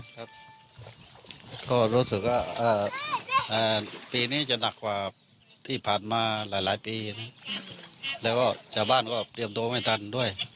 ครับก็รู้สึกว่าปีนี้จะหนักกว่าที่ผ่านมาหลายปีแล้วก็ชาวบ้านก็เตรียมตัวไม่ทันด้วย